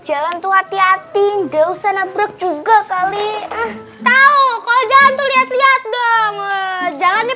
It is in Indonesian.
jalan tuh hati hati gak usah nabruk juga kali tahu kok jalan tuh lihat lihat dong jalannya